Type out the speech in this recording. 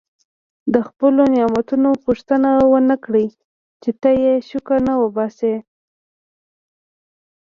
د خپلو نعمتونو پوښتنه ونه کړي چې ته یې شکر نه وباسې.